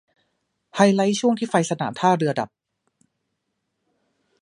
ไฮไลท์ช่วงที่ไฟสนามท่าเรือดับ